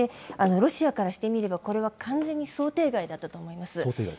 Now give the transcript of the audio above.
ロシアからしてみれば、これは完全に想定外だったと思います。